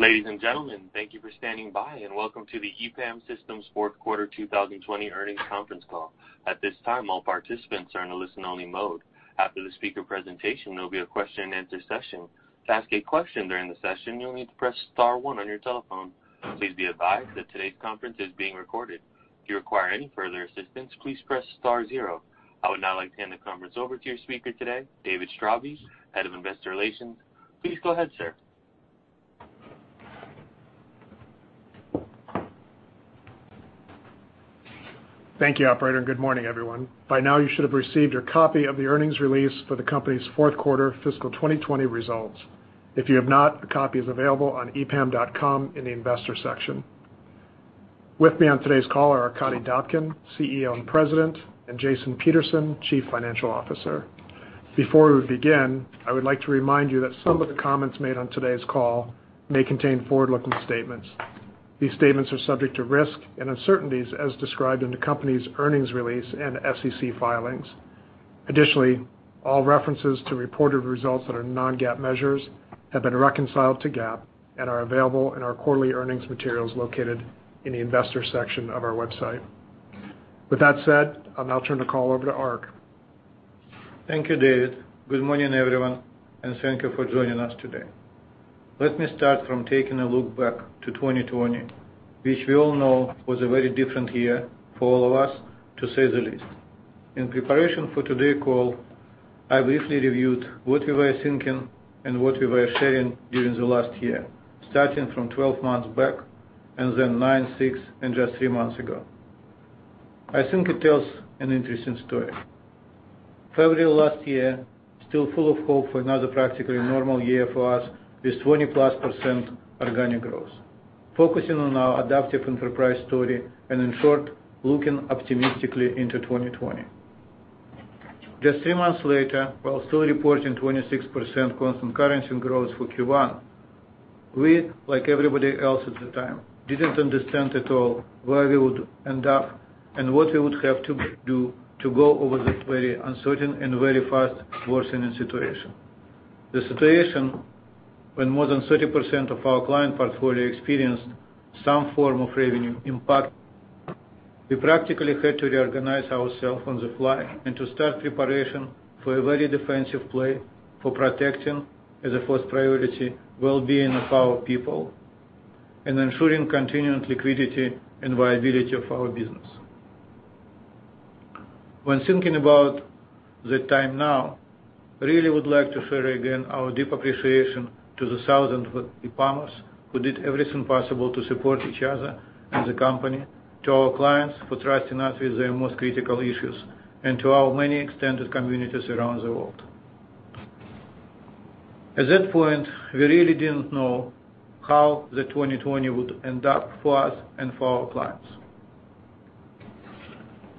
Ladies and gentlemen, thank you for standing by and welcome to the EPAM Systems Fourth Quarter 2020 Earnings Conference Call. At this time, all participants are in a listen-only mode. After the speaker presentation, there'll be a question and answer session. To ask a question during the session, you'll need to press star one on your telephone. Please be advised that today's conference is being recorded. If you require any further assistance, please press star zero. I would now like to hand the conference over to your speaker today, David Straube, Head of Investor Relations. Please go ahead, sir. Thank you, operator, and good morning, everyone. By now, you should have received your copy of the earnings release for the company's fourth quarter fiscal 2020 results. If you have not, a copy is available on epam.com in the Investors section. With me on today's call are Arkadiy Dobkin, CEO and President, and Jason Peterson, Chief Financial Officer. Before we begin, I would like to remind you that some of the comments made on today's call may contain forward-looking statements. These statements are subject to risks and uncertainties as described in the company's earnings release and SEC filings. Additionally, all references to reported results that are non-GAAP measures have been reconciled to GAAP and are available in our quarterly earnings materials located in the Investors section of our website. With that said, I'll now turn the call over to Ark. Thank you, David. Good morning, everyone, and thank you for joining us today. Let me start from taking a look back to 2020, which we all know was a very different year for all of us, to say the least. In preparation for today call, I briefly reviewed what we were thinking and what we were sharing during the last year, starting from 12 months back and then nine, six, and just three months ago. I think it tells an interesting story. February last year, still full of hope for another practically normal year for us with 20%+ organic growth, focusing on our adaptive enterprise story, and in short, looking optimistically into 2020. Just three months later, while still reporting 26% constant currency growth for Q1, we, like everybody else at the time, didn't understand at all where we would end up and what we would have to do to go over that very uncertain and very fast worsening situation. The situation when more than 30% of our client portfolio experienced some form of revenue impact, we practically had to reorganize ourselves on the fly and to start preparation for a very defensive play for protecting, as a first priority, well-being of our people and ensuring continuing liquidity and viability of our business. When thinking about the time now, really would like to share again our deep appreciation to the thousands of EPAMers who did everything possible to support each other and the company, to our clients for trusting us with their most critical issues, and to our many extended communities around the world. At that point, we really didn't know how the 2020 would end up for us and for our clients.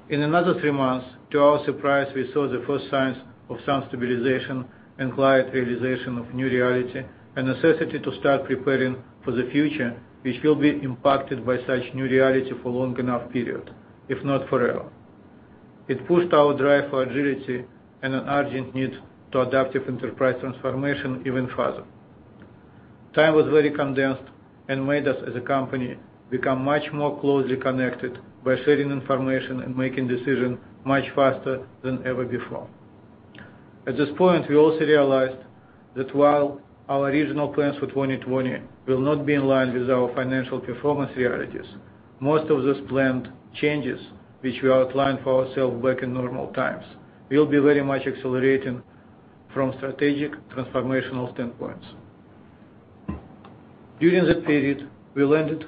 In another three months, to our surprise, we saw the first signs of some stabilization and client realization of new reality, a necessity to start preparing for the future, which will be impacted by such new reality for long enough period, if not forever. It pushed our drive for agility and an urgent need to adaptive enterprise transformation even further. Time was very condensed and made us, as a company, become much more closely connected by sharing information and making decision much faster than ever before. At this point, we also realized that while our original plans for 2020 will not be in line with our financial performance realities, most of those planned changes which we outlined for ourselves back in normal times will be very much accelerating from strategic transformational standpoints. During that period, we landed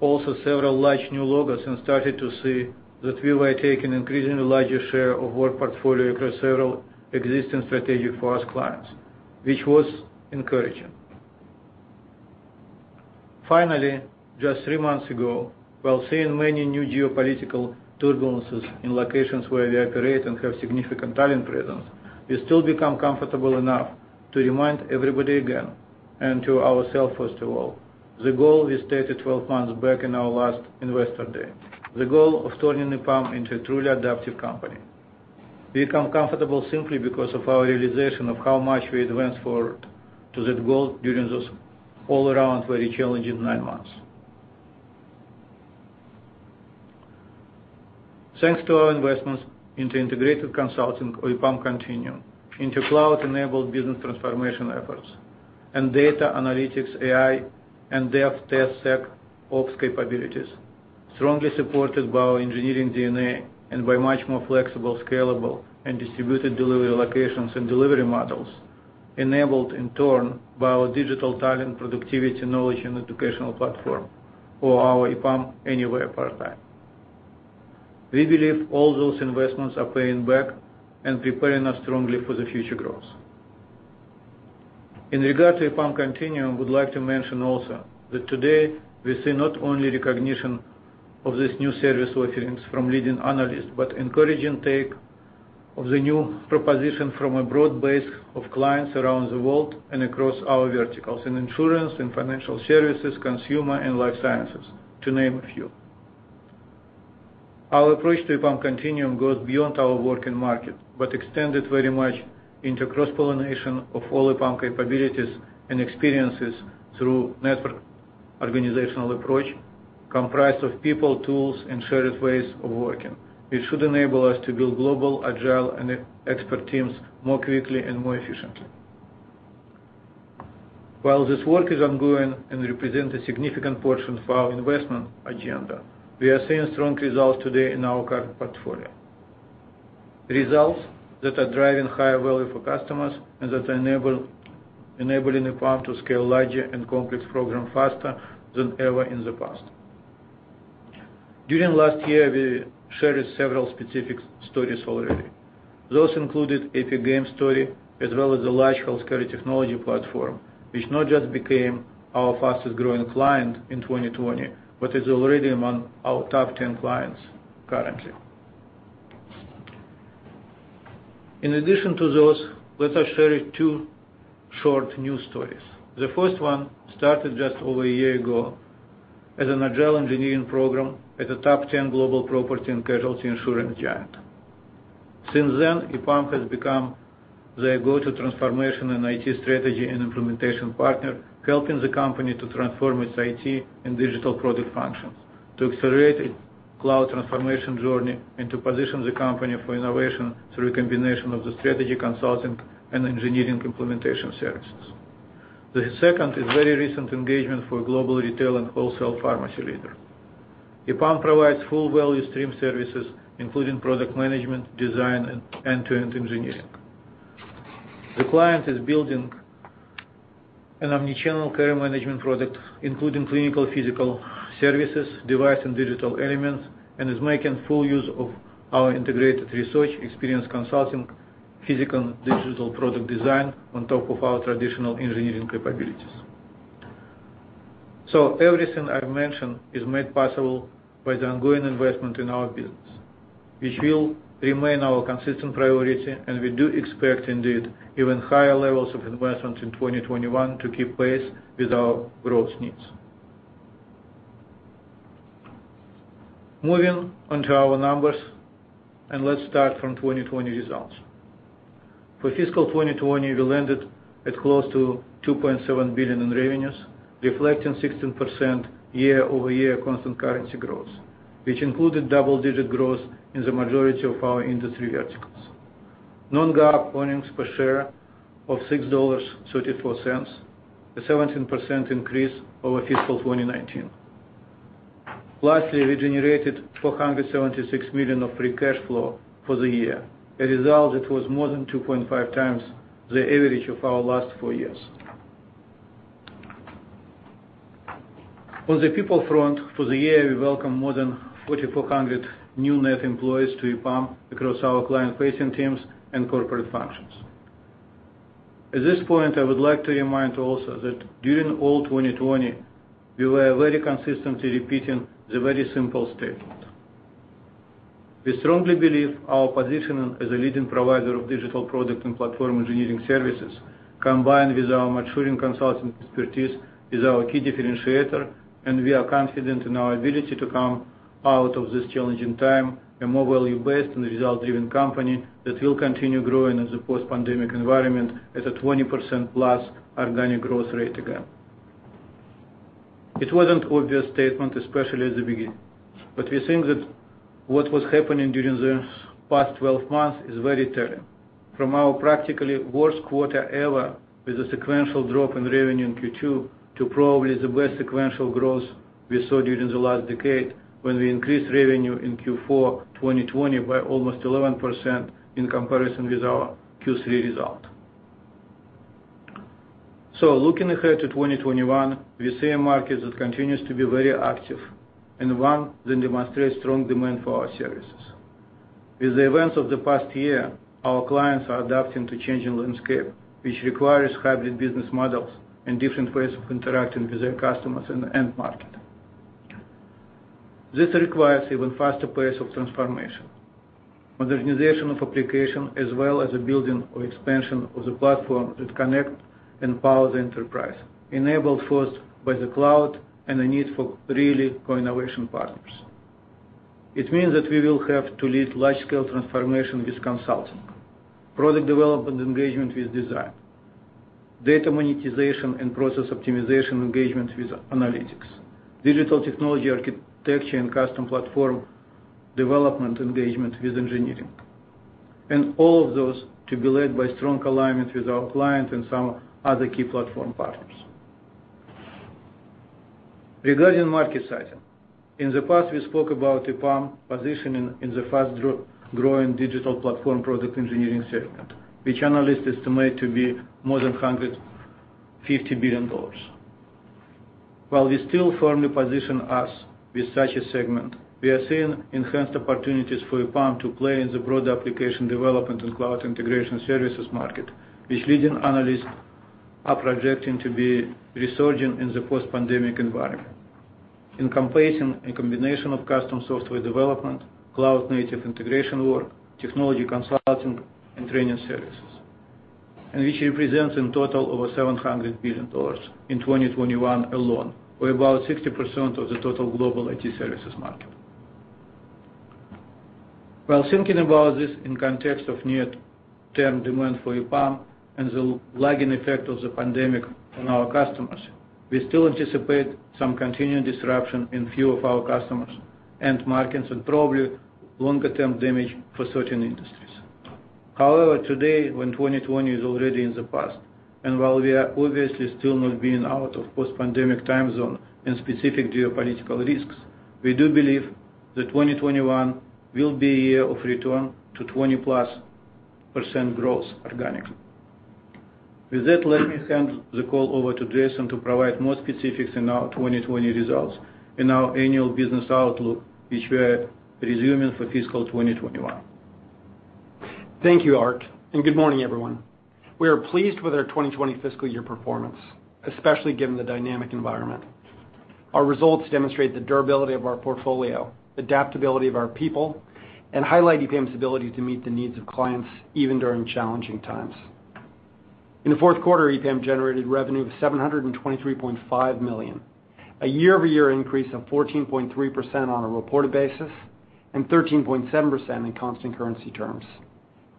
also several large new logos and started to see that we were taking increasingly larger share of work portfolio across several existing strategic for us clients, which was encouraging. Finally, just three months ago, while seeing many new geopolitical turbulences in locations where we operate and have significant talent presence, we still become comfortable enough to remind everybody again, and to ourself, first of all, the goal we stated 12 months back in our last Investor Day, the goal of turning EPAM into a truly adaptive company. We become comfortable simply because of our realization of how much we advanced forward to that goal during those all around very challenging nine months. Thanks to our investments into integrated consulting or EPAM Continuum, into cloud-enabled business transformation efforts, and data analytics, AI, and DevTestSecOps capabilities, strongly supported by our engineering DNA and by much more flexible, scalable, and distributed delivery locations and delivery models, enabled in turn by our digital talent, productivity, knowledge, and educational platform or our EPAM Anywhere paradigm. We believe all those investments are paying back and preparing us strongly for the future growth. In regard to EPAM Continuum, would like to mention also that today we see not only recognition of this new service offerings from leading analysts, but encouraging take of the new proposition from a broad base of clients around the world and across our verticals in insurance, in financial services, consumer, and life sciences, to name a few. Our approach to EPAM Continuum goes beyond our work and market, but extended very much into cross-pollination of all EPAM capabilities and experiences through network organizational approach comprised of people, tools, and shared ways of working, which should enable us to build global, agile, and expert teams more quickly and more efficiently. While this work is ongoing and represents a significant portion of our investment agenda, we are seeing strong results today in our current portfolio. Results that are driving higher value for customers and that are enabling EPAM to scale larger and complex program faster than ever in the past. During last year, we shared several specific stories already. Those included APM Group story, as well as the large healthcare technology platform, which not just became our fastest-growing client in 2020, but is already among our top 10 clients currently. In addition to those, let us share two short new stories. The first one started just over a year ago as an agile engineering program at a top 10 global property and casualty insurance giant. Since then, EPAM has become their go-to transformation and IT strategy and implementation partner, helping the company to transform its IT and digital product functions to accelerate cloud transformation journey and to position the company for innovation through a combination of the strategy consulting and engineering implementation services. The second is very recent engagement for global retail and wholesale pharmacy leader. EPAM provides full value stream services, including product management, design, and end-to-end engineering. The client is building an omnichannel care management product, including clinical physical services, device and digital elements, and is making full use of our integrated research experience consulting physical digital product design on top of our traditional engineering capabilities. Everything I've mentioned is made possible by the ongoing investment in our business, which will remain our consistent priority, and we do expect indeed even higher levels of investment in 2021 to keep pace with our growth needs. Moving on to our numbers, and let's start from 2020 results. For fiscal 2020, we landed at close to $2.7 billion in revenues, reflecting 16% year-over-year constant currency growth, which included double-digit growth in the majority of our industry verticals. Non-GAAP earnings per share of $6.34, a 17% increase over fiscal 2019. Lastly, we generated $476 million of free cash flow for the year, a result that was more than 2.5x the average of our last four years. On the people front, for the year, we welcome more than 4,400 new net employees to EPAM across our client-facing teams and corporate functions. At this point, I would like to remind also that during all 2020, we were very consistently repeating the very simple statement. We strongly believe our positioning as a leading provider of digital product and platform engineering services, combined with our maturing consulting expertise, is our key differentiator, and we are confident in our ability to come out of this challenging time a more value-based and result-driven company that will continue growing in the post-pandemic environment at a 20%+ organic growth rate again. It wasn't obvious statement, especially at the beginning, but we think that what was happening during the past 12 months is very telling. From our practically worst quarter ever with a sequential drop in revenue in Q2 to probably the best sequential growth we saw during the last decade when we increased revenue in Q4 2020 by almost 11% in comparison with our Q3 result. Looking ahead to 2021, we see a market that continues to be very active and one that demonstrates strong demand for our services. With the events of the past year, our clients are adapting to changing landscape, which requires hybrid business models and different ways of interacting with their customers in the end market. This requires even faster pace of transformation. Modernization of application as well as the building or expansion of the platform that connect and power the enterprise, enabled first by the cloud and the need for really co-innovation partners. It means that we will have to lead large-scale transformation with consulting, product development engagement with design, data monetization and process optimization engagement with analytics, digital technology architecture and custom platform development engagement with engineering. All of those to be led by strong alignment with our clients and some other key platform partners. Regarding market sizing. In the past, we spoke about EPAM positioning in the fast-growing digital platform product engineering segment, which analysts estimate to be more than $150 billion. While we still firmly position us with such a segment, we are seeing enhanced opportunities for EPAM to play in the broader application development and cloud integration services market, which leading analysts are projecting to be resurging in the post-pandemic environment, encompassing a combination of custom software development, cloud-native integration work, technology consulting, and training services. Which represents in total over $700 billion in 2021 alone, or about 60% of the total global IT services market. While thinking about this in context of near-term demand for EPAM and the lagging effect of the pandemic on our customers, we still anticipate some continuing disruption in few of our customers and markets, and probably longer-term damage for certain industries. Today, when 2020 is already in the past, and while we are obviously still not been out of post-pandemic time zone and specific geopolitical risks, we do believe that 2021 will be a year of return to 20%+ growth organically. With that, let me hand the call over to Jason to provide more specifics in our 2020 results and our annual business outlook, which we are resuming for fiscal 2021. Thank you, Ark, and good morning, everyone. We are pleased with our 2020 fiscal year performance, especially given the dynamic environment. Our results demonstrate the durability of our portfolio, adaptability of our people, and highlight EPAM's ability to meet the needs of clients even during challenging times. In the fourth quarter, EPAM generated revenue of $723.5 million, a year-over-year increase of 14.3% on a reported basis and 13.7% in constant currency terms,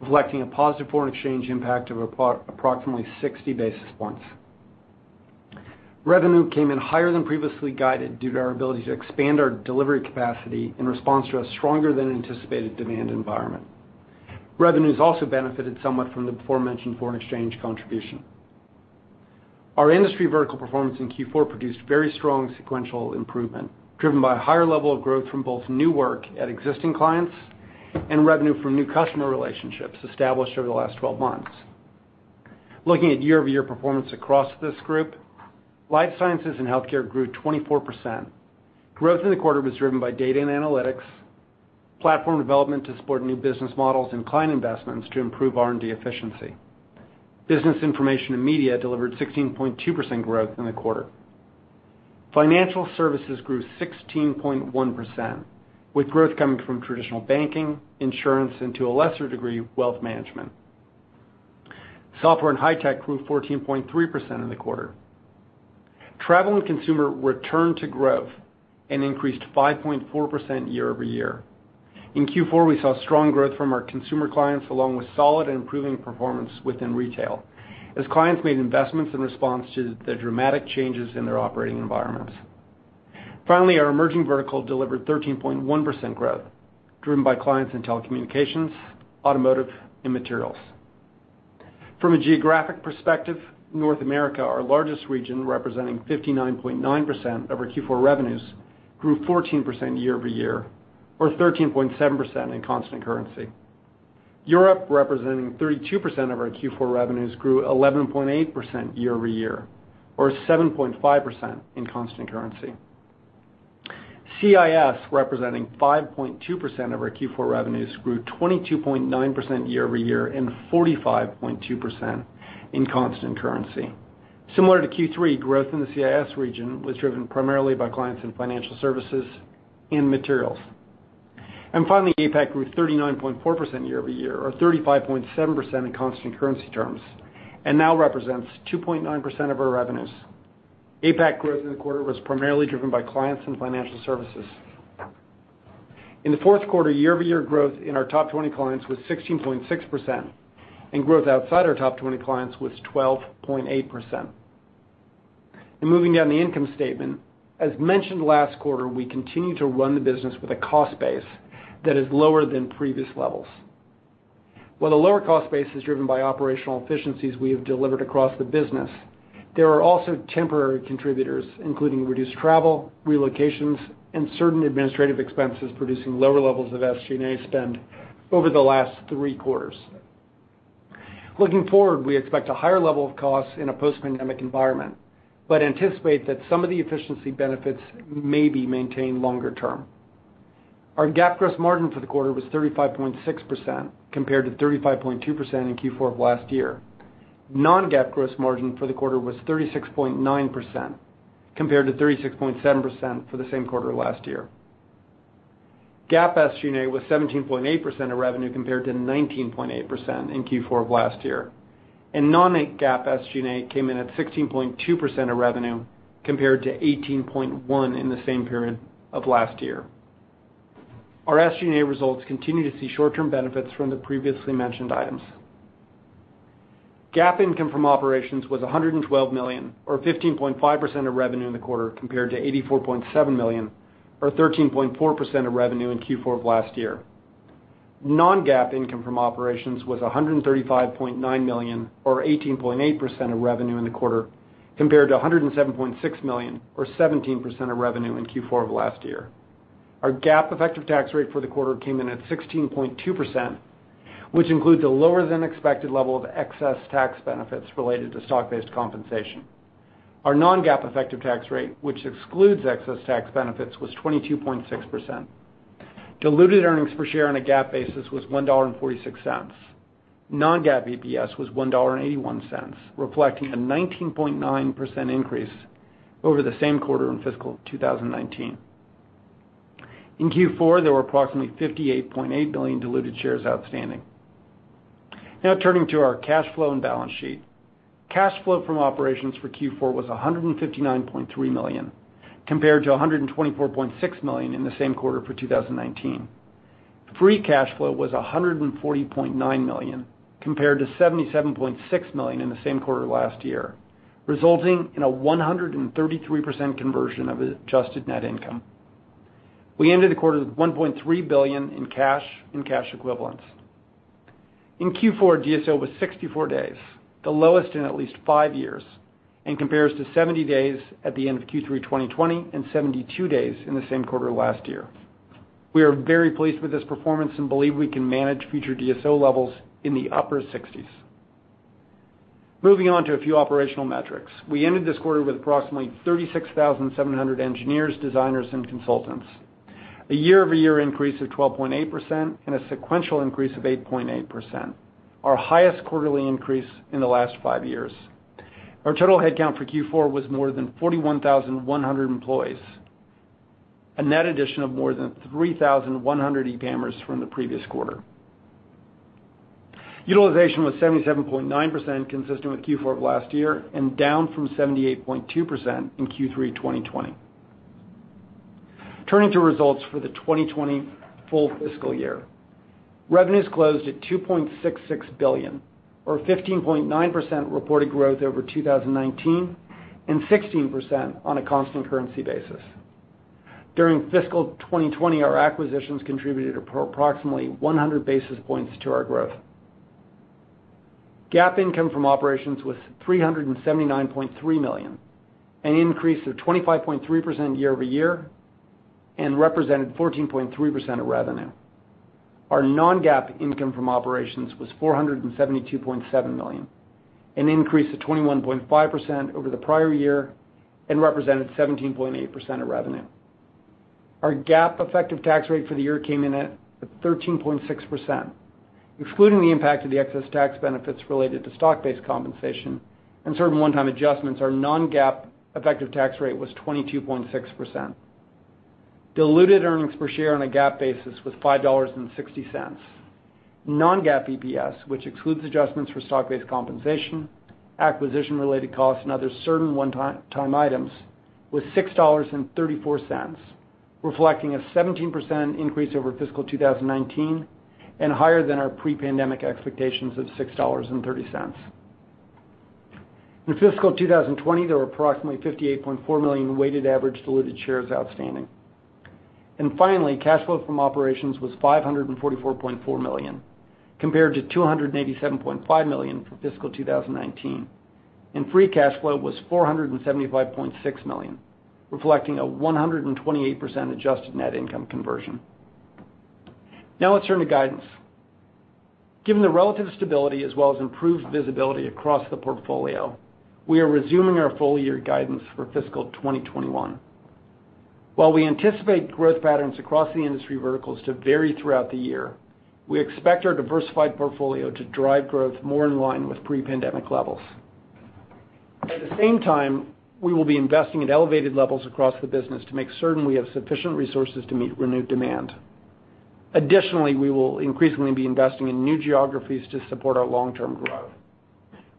reflecting a positive foreign exchange impact of approximately 60 basis points. Revenue came in higher than previously guided due to our ability to expand our delivery capacity in response to a stronger-than-anticipated demand environment. Revenues also benefited somewhat from the before-mentioned foreign exchange contribution. Our industry vertical performance in Q4 produced very strong sequential improvement, driven by a higher level of growth from both new work at existing clients and revenue from new customer relationships established over the last 12 months. Looking at year-over-year performance across this group, life sciences and healthcare grew 24%. Growth in the quarter was driven by data and analytics, platform development to support new business models, and client investments to improve R&D efficiency. Business information and media delivered 16.2% growth in the quarter. Financial services grew 16.1%, with growth coming from traditional banking, insurance, and to a lesser degree, wealth management. Software and high tech grew 14.3% in the quarter. Travel and consumer returned to growth and increased 5.4% year-over-year. In Q4, we saw strong growth from our consumer clients, along with solid and improving performance within retail, as clients made investments in response to the dramatic changes in their operating environments. Finally, our emerging vertical delivered 13.1% growth, driven by clients in telecommunications, automotive, and materials. From a geographic perspective, North America, our largest region, representing 59.9% of our Q4 revenues, grew 14% year-over-year, or 13.7% in constant currency. Europe, representing 32% of our Q4 revenues, grew 11.8% year-over-year, or 7.5% in constant currency. CIS, representing 5.2% of our Q4 revenues, grew 22.9% year-over-year and 45.2% in constant currency. Similar to Q3, growth in the CIS region was driven primarily by clients in financial services and materials. Finally, APAC grew 39.4% year-over-year, or 35.7% in constant currency terms and now represents 2.9% of our revenues. APAC growth in the quarter was primarily driven by clients in financial services. In the fourth quarter, year-over-year growth in our top 20 clients was 16.6%, and growth outside our top 20 clients was 12.8%. Moving down the income statement, as mentioned last quarter, we continue to run the business with a cost base that is lower than previous levels. While the lower cost base is driven by operational efficiencies we have delivered across the business, there are also temporary contributors, including reduced travel, relocations, and certain administrative expenses producing lower levels of SG&A spend over the last three quarters. Looking forward, we expect a higher level of costs in a post-pandemic environment, but anticipate that some of the efficiency benefits may be maintained longer term. Our GAAP gross margin for the quarter was 35.6%, compared to 35.2% in Q4 of last year. Non-GAAP gross margin for the quarter was 36.9%, compared to 36.7% for the same quarter last year. GAAP SG&A was 17.8% of revenue, compared to 19.8% in Q4 of last year. Non-GAAP SG&A came in at 16.2% of revenue, compared to 18.1% in the same period of last year. Our SG&A results continue to see short-term benefits from the previously mentioned items. GAAP income from operations was $112 million, or 15.5% of revenue in the quarter, compared to $84.7 million, or 13.4% of revenue in Q4 of last year. Non-GAAP income from operations was $135.9 million, or 18.8% of revenue in the quarter, compared to $107.6 million, or 17% of revenue in Q4 of last year. Our GAAP effective tax rate for the quarter came in at 16.2%, which includes a lower-than-expected level of excess tax benefits related to stock-based compensation. Our non-GAAP effective tax rate, which excludes excess tax benefits, was 22.6%. Diluted earnings per share on a GAAP basis was $1.46. Non-GAAP EPS was $1.81, reflecting a 19.9% increase over the same quarter in fiscal 2019. In Q4, there were approximately 58.8 million diluted shares outstanding. Now turning to our cash flow and balance sheet. Cash flow from operations for Q4 was $159.3 million, compared to $124.6 million in the same quarter for 2019. Free cash flow was $140.9 million, compared to $77.6 million in the same quarter last year, resulting in a 133% conversion of adjusted net income. We ended the quarter with $1.3 billion in cash and cash equivalents. In Q4, DSO was 64 days, the lowest in at least five years, and compares to 70 days at the end of Q3 2020, and 72 days in the same quarter last year. We are very pleased with this performance and believe we can manage future DSO levels in the upper 60s. Moving on to a few operational metrics. We ended this quarter with approximately 36,700 engineers, designers, and consultants, a year-over-year increase of 12.8% and a sequential increase of 8.8%, our highest quarterly increase in the last five years. Our total headcount for Q4 was more than 41,100 employees, a net addition of more than 3,100 EPAMers from the previous quarter. Utilization was 77.9%, consistent with Q4 of last year, and down from 78.2% in Q3 2020. Turning to results for the 2020 full fiscal year. Revenues closed at $2.66 billion, or 15.9% reported growth over 2019, and 16% on a constant currency basis. During fiscal 2020, our acquisitions contributed approximately 100 basis points to our growth. GAAP income from operations was $379.3 million, an increase of 25.3% year-over-year, and represented 14.3% of revenue. Our non-GAAP income from operations was $472.7 million, an increase of 21.5% over the prior year, and represented 17.8% of revenue. Our GAAP effective tax rate for the year came in at 13.6%. Excluding the impact of the excess tax benefits related to stock-based compensation and certain one-time adjustments, our non-GAAP effective tax rate was 22.6%. Diluted earnings per share on a GAAP basis was $5.60. Non-GAAP EPS, which excludes adjustments for stock-based compensation, acquisition related costs, and other certain one-time items, was $6.34, reflecting a 17% increase over fiscal 2019, and higher than our pre-pandemic expectations of $6.30. In fiscal 2020, there were approximately 58.4 million weighted average diluted shares outstanding. Finally, cash flow from operations was $544.4 million, compared to $287.5 million for fiscal 2019. Free cash flow was $475.6 million, reflecting a 128% adjusted net income conversion. Let's turn to guidance. Given the relative stability as well as improved visibility across the portfolio, we are resuming our full year guidance for fiscal 2021. While we anticipate growth patterns across the industry verticals to vary throughout the year, we expect our diversified portfolio to drive growth more in line with pre-pandemic levels. At the same time, we will be investing at elevated levels across the business to make certain we have sufficient resources to meet renewed demand. Additionally, we will increasingly be investing in new geographies to support our long-term growth.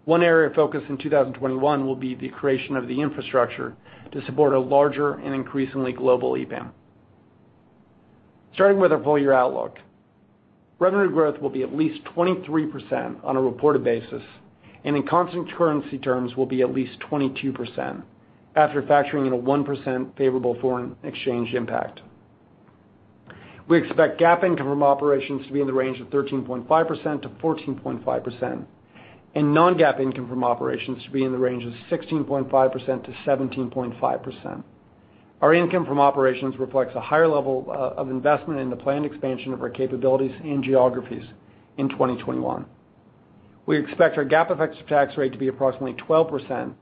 One area of focus in 2021 will be the creation of the infrastructure to support a larger and increasingly global EPAM. Starting with our full year outlook. Revenue growth will be at least 23% on a reported basis, and in constant currency terms will be at least 22%, after factoring in a 1% favorable foreign exchange impact. We expect GAAP income from operations to be in the range of 13.5%-14.5%, and non-GAAP income from operations to be in the range of 16.5%-17.5%. Our income from operations reflects a higher level of investment in the planned expansion of our capabilities and geographies in 2021. We expect our GAAP effective tax rate to be approximately 12%,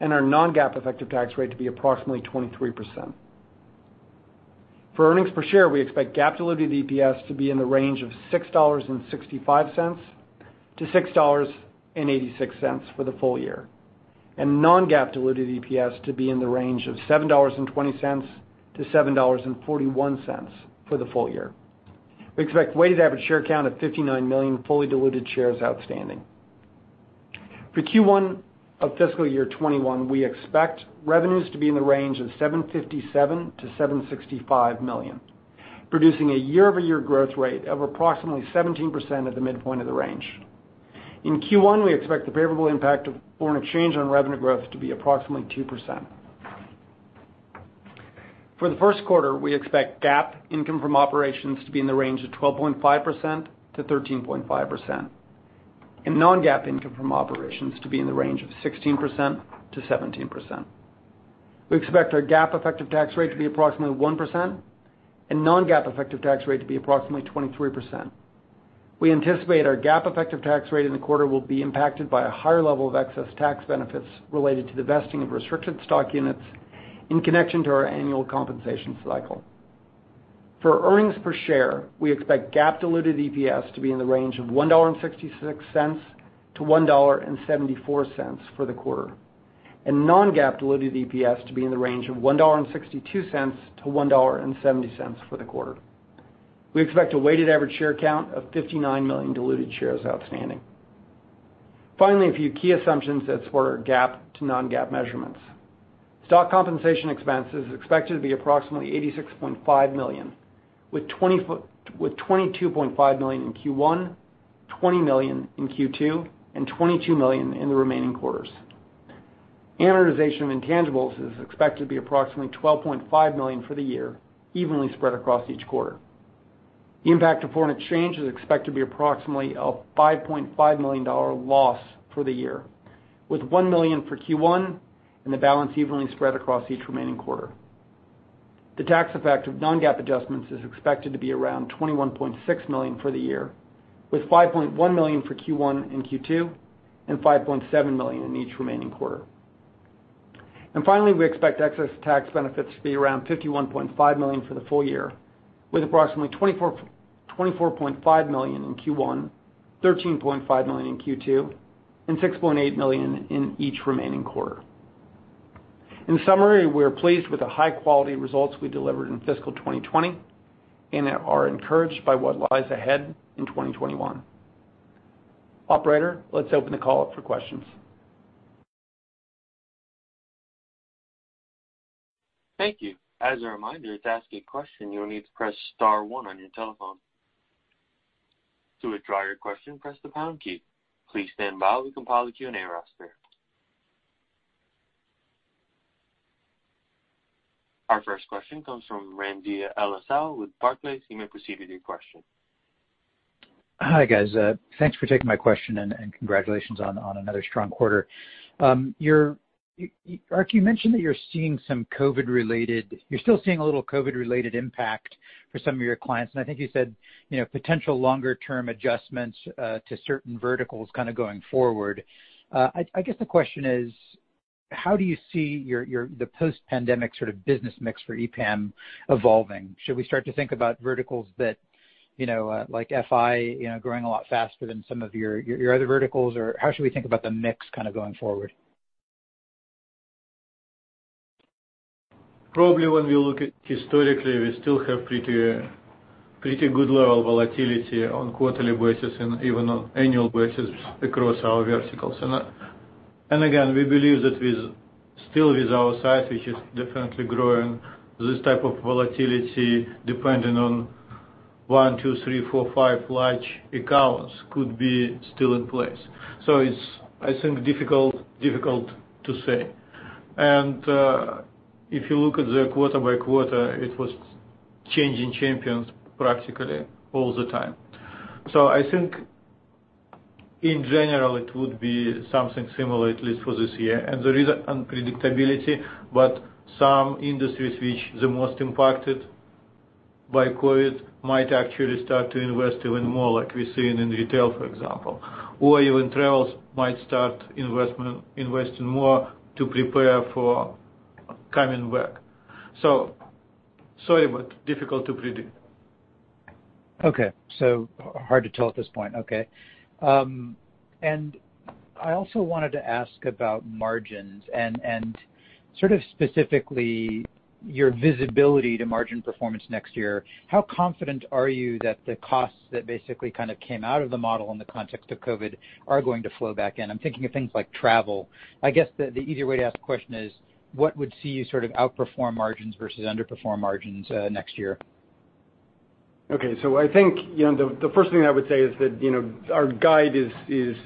and our non-GAAP effective tax rate to be approximately 23%. For earnings per share, we expect GAAP diluted EPS to be in the range of $6.65-$6.86 for the full year, and non-GAAP diluted EPS to be in the range of $7.20-$7.41 for the full year. We expect weighted average share count of 59 million fully diluted shares outstanding. For Q1 of fiscal year 2021, we expect revenues to be in the range of $757 million-$765 million, producing a year-over-year growth rate of approximately 17% at the midpoint of the range. In Q1, we expect the favorable impact of foreign exchange on revenue growth to be approximately 2%. For the first quarter, we expect GAAP income from operations to be in the range of 12.5%-13.5%, and non-GAAP income from operations to be in the range of 16%-17%. We expect our GAAP effective tax rate to be approximately 1%, and non-GAAP effective tax rate to be approximately 23%. We anticipate our GAAP effective tax rate in the quarter will be impacted by a higher level of excess tax benefits related to the vesting of restricted stock units in connection to our annual compensation cycle. For earnings per share, we expect GAAP diluted EPS to be in the range of $1.66 to $1.74 for the quarter. Non-GAAP diluted EPS to be in the range of $1.62 to $1.70 for the quarter. We expect a weighted average share count of 59 million diluted shares outstanding. Finally, a few key assumptions that support our GAAP to non-GAAP measurements. Stock compensation expense is expected to be approximately $86.5 million, with $22.5 million in Q1, $20 million in Q2, and $22 million in the remaining quarters. Amortization of intangibles is expected to be approximately $12.5 million for the year, evenly spread across each quarter. The impact of foreign exchange is expected to be approximately a $5.5 million loss for the year, with $1 million for Q1 and the balance evenly spread across each remaining quarter. The tax effect of non-GAAP adjustments is expected to be around $21.6 million for the year, with $5.1 million for Q1 and Q2, and $5.7 million in each remaining quarter. Finally, we expect excess tax benefits to be around $51.5 million for the full year, with approximately $24.5 million in Q1, $13.5 million in Q2, and $6.8 million in each remaining quarter. In summary, we are pleased with the high-quality results we delivered in fiscal 2020 and are encouraged by what lies ahead in 2021. Operator, let's open the call up for questions. Thank you. As a reminder, to ask a question, you will need to press star one on your telephone. To withdraw your question, press the pound key. Please stand by while we compile the Q&A roster. Our first question comes from Ramsey El-Assal with Barclays. You may proceed with your question. Hi, guys. Thanks for taking my question, and congratulations on another strong quarter. Ark, you mentioned that you're still seeing a little COVID-related impact for some of your clients, and I think you said potential longer-term adjustments to certain verticals going forward. I guess the question is, how do you see the post-pandemic business mix for EPAM evolving? Should we start to think about verticals like FI growing a lot faster than some of your other verticals? How should we think about the mix going forward? Probably when we look at historically, we still have pretty good level of volatility on quarterly basis and even on annual basis across our verticals. Again, we believe that still with our size, which is definitely growing, this type of volatility, depending on one, two, three, four, five large accounts could be still in place. It's, I think, difficult to say. If you look at the quarter by quarter, it was changing champions practically all the time. I think in general it would be something similar, at least for this year. There is unpredictability, but some industries which the most impacted by COVID might actually start to invest even more, like we're seeing in retail, for example, or even travels might start investing more to prepare for coming back. Sorry, but difficult to predict. Okay. Hard to tell at this point. Okay. I also wanted to ask about margins and specifically your visibility to margin performance next year. How confident are you that the costs that basically came out of the model in the context of COVID are going to flow back in? I'm thinking of things like travel. I guess the easier way to ask the question is what would see you outperform margins versus underperform margins next year? I think the first thing I would say is that our guide is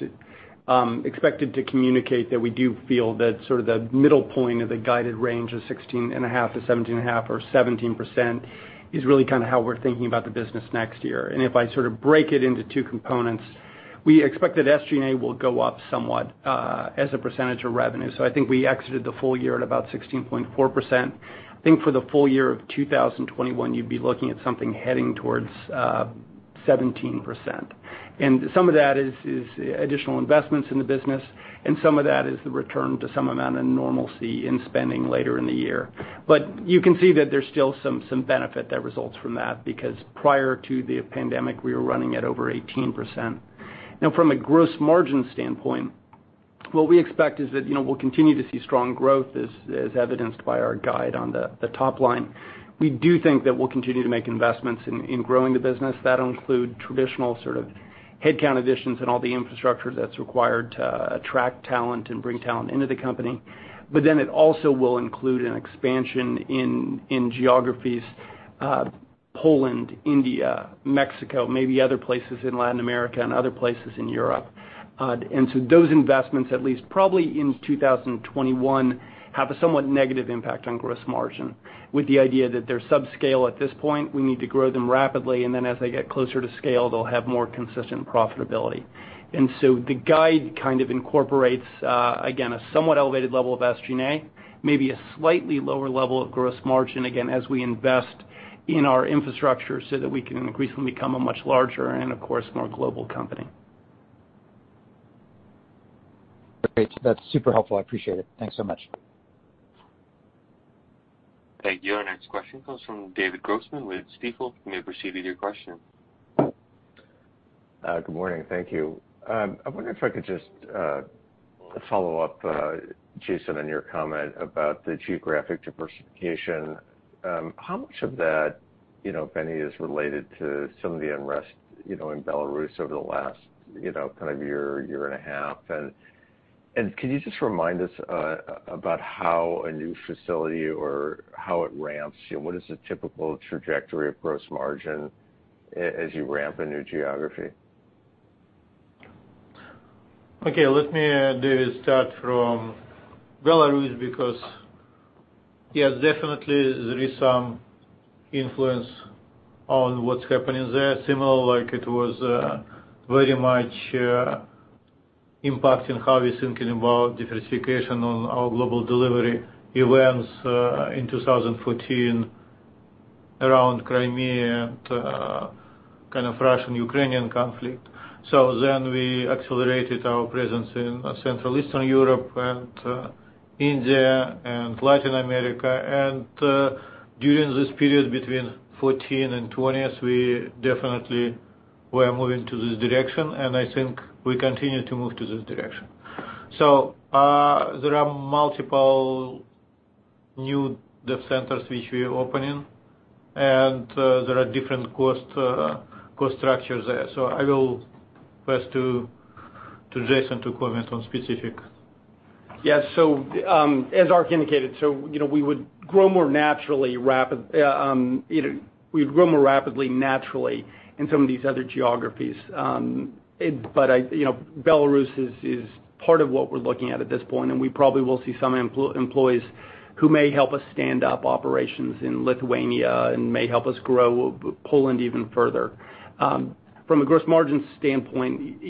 expected to communicate that we do feel that the middle point of the guided range of 16.5%-17.5% or 17% is really how we're thinking about the business next year. If I break it into two components, we expect that SG&A will go up somewhat as a percentage of revenue. I think we exited the full year at about 16.4%. I think for the full year of 2021, you'd be looking at something heading towards 17%. Some of that is additional investments in the business, and some of that is the return to some amount of normalcy in spending later in the year. You can see that there's still some benefit that results from that, because prior to the pandemic, we were running at over 18%. From a gross margin standpoint, what we expect is that we'll continue to see strong growth as evidenced by our guide on the top line. We do think that we'll continue to make investments in growing the business. That'll include traditional headcount additions and all the infrastructure that's required to attract talent and bring talent into the company. It also will include an expansion in geographies, Poland, India, Mexico, maybe other places in Latin America and other places in Europe. Those investments, at least probably in 2021, have a somewhat negative impact on gross margin with the idea that they're subscale at this point. We need to grow them rapidly, and then as they get closer to scale, they'll have more consistent profitability. The guide incorporates, again, a somewhat elevated level of SG&A, maybe a slightly lower level of gross margin, again, as we invest in our infrastructure so that we can increasingly become a much larger and, of course, more global company. Great. That's super helpful. I appreciate it. Thanks so much. Thank you. Our next question comes from David Grossman with Stifel. You may proceed with your question. Good morning. Thank you. I wonder if I could just follow up, Jason, on your comment about the geographic diversification. How much of that if any, is related to some of the unrest in Belarus over the last year and a half? Can you just remind us about how a new facility or how it ramps? What is the typical trajectory of gross margin as you ramp a new geography? Okay. Let me, David, start from Belarus because yes, definitely there is some influence on what's happening there, similar like it was very much impacting how we're thinking about diversification on our global delivery events in 2014 around Crimea and kind of Russian-Ukrainian conflict. We accelerated our presence in Central Eastern Europe and India and Latin America. During this period between 2014 and 2020s, we definitely were moving to this direction, and I think we continue to move to this direction. There are multiple new dev centers which we're opening, and there are different cost structures there. I will pass to Jason to comment on specific. Yeah. As Ark indicated, we would grow more rapidly naturally in some of these other geographies. Belarus is part of what we're looking at at this point, and we probably will see some employees who may help us stand up operations in Lithuania and may help us grow Poland even further. From a gross margin standpoint,